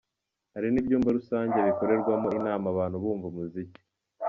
Hari n’ibyumba rusange bikorerwamo inama abantu bumva umuziki”.